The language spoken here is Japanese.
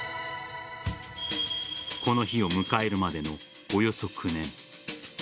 この日を迎えるまでのおよそ９年。